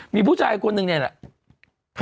มีผู้ชายคนนึงนี่แหละ